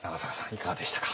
いかがでしたか？